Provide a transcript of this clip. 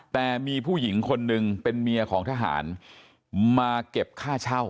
แต่มีผู้หญิงคนหนึ่งเป็นเมียของทหารมาเก็บค่าเช่า